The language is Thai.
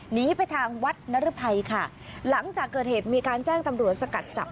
หนีไปทางวัดนรภัยค่ะหลังจากเกิดเหตุมีการแจ้งตำรวจสกัดจับ